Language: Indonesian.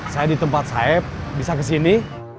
saya di tempat saeb bisa kesini